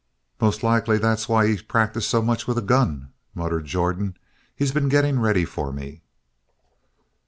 "Most like that's why he's practiced so much with a gun," muttered Jordan. "He's been getting ready for me."